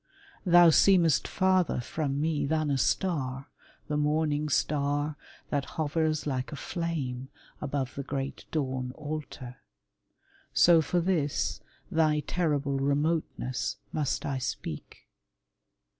Thou seemest farther from me than a star, The morning star, that hovers like a flame Above the great dawn altar. So for this, Thy terrible remoteness, must I speak.